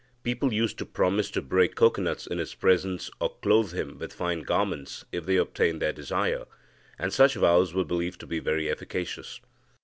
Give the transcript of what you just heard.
People used to promise to break cocoanuts in his presence, or clothe him with fine garments, if they obtained their desire, and such vows were believed to be very efficacious.'